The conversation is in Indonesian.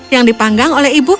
yang dipanggang oleh ibuku